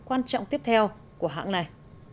quan trọng tiếp theo của hãng này